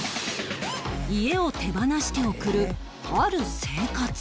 家を手放して送るある生活